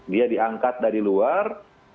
dia diangkat dari luar